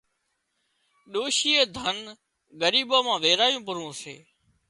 ڏوشيئي ڌنَ ڳريٻان مان ويرايون پرون سي